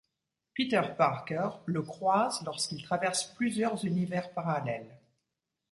Peter Parker le croise lorsqu'il traverse plusieurs univers parallèles.